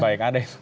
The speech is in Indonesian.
baik ada itu